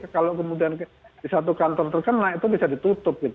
kalau kemudian di satu kantor terkena itu bisa ditutup